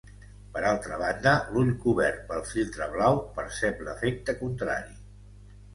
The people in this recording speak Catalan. Per altra banda, l'ull cobert pel filtre blau percep l'efecte contrari.